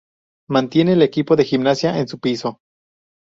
Mantiene el equipo de gimnasia en su piso.